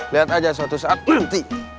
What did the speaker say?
lihat aja suatu saat nanti